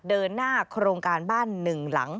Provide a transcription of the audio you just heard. เดินหน้าโครงการบ้าน๑หลัง